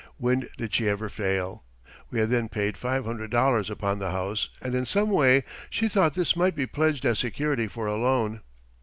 When did she ever fail? We had then paid five hundred dollars upon the house, and in some way she thought this might be pledged as security for a loan.